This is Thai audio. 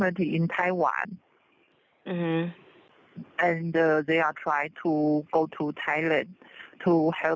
ไม่อยู่ในไทวันแต่พวกมันกำลังไปไทย